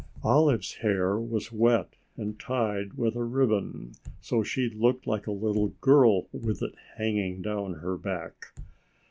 Olive's hair was wet and tied with a ribbon, so she looked like a little girl with it hanging down her back.